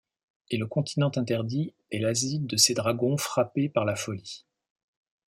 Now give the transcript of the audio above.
Et le continent interdit est l’asile de ces dragons frappés par la folie.